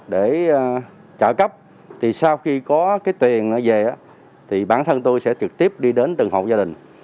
để trả cấp sau khi có tiền về bản thân tôi sẽ trực tiếp đi đến từng hộp gia đình